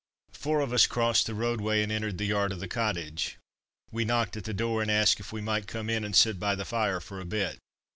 Four of us crossed the roadway and entered the yard of the cottage. We knocked at the door, and asked if we might come in and sit by the fire for a bit.